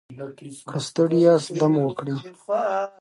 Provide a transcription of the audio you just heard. که ستړي یاست دم وکړئ.